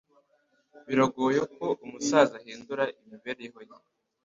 Biragoye ko umusaza ahindura imibereho ye.